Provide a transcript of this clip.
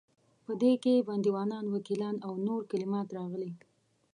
په دې کې بندیوان، وکیلان او نور کلمات راغلي.